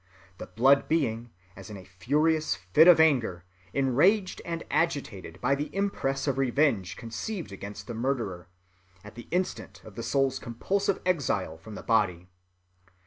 —the blood being, as in a furious fit of anger, enraged and agitated by the impress of revenge conceived against the murderer, at the instant of the soul's compulsive exile from the body.